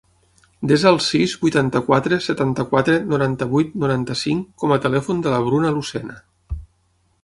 Desa el sis, vuitanta-quatre, setanta-quatre, noranta-vuit, noranta-cinc com a telèfon de la Bruna Lucena.